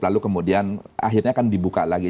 lalu kemudian akhirnya kan dibuka lagi